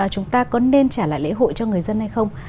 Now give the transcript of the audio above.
chúng ta có nên trả lại lễ hội cho người dân hay không